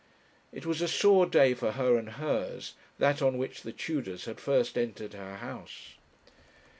It was a sore day for her and hers, that on which the Tudors had first entered her house.